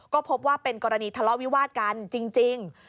ก็พบว่าเป็นกรณีทะเลาะวิวาดกันจริง